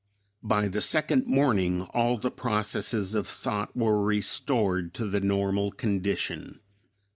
By the second morning all the processes of thought were restored to the normal condition.